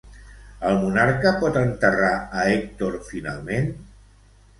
El monarca pot enterrar a Hèctor finalment?